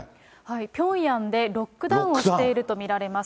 ピョンヤンでロックダウンをしていると見られます。